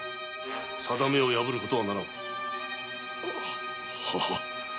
定めを破る事はならぬ。